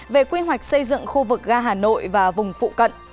về quy hoạch xây dựng khu vực ga hà nội và vùng phụ cận